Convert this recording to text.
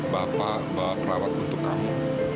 bapak bawa perawat untuk kamu